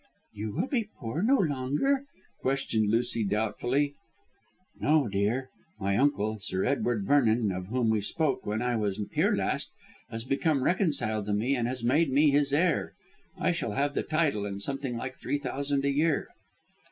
"You will be poor no longer?" questioned Lucy doubtfully. "No, dear. My uncle, Sir Edward Vernon, of whom we spoke when I was here last, has become reconciled to me and has made me his heir. I shall have the title and something like three thousand a year."